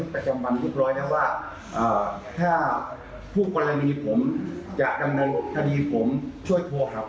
ปล่อยให้ออกเป็นหมายจากก็ได้เลย